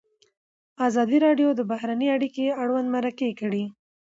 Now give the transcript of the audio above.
ازادي راډیو د بهرنۍ اړیکې اړوند مرکې کړي.